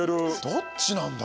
どっちなんだ？